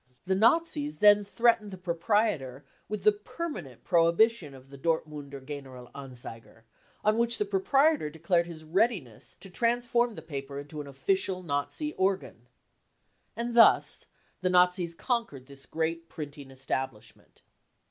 The Nazis then threatened the proprietor with the permanent prohibition of the Dortmunder General Anzeiger , on which the proprietor declared his readiness to transform the paper into an official Nazi organ. And thus the Nazis conquered this great printing establishment.